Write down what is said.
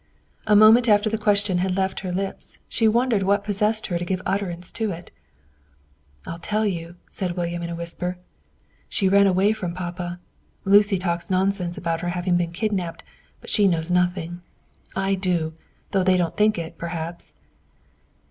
A moment after the question had left her lips, she wondered what possessed her to give utterance to it. "I'll tell you," said William in a whisper. "She ran away from papa. Lucy talks nonsense about her having been kidnapped, but she knows nothing. I do, though they don't think it, perhaps."